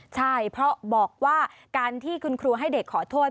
ใช่เพราะบอกว่าการที่คุณครูให้เด็กขอโทษ